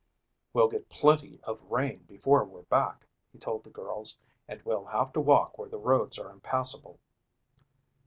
"We'll get plenty of rain before we're back," he told the girls, "and we'll have to walk where the roads are impassable."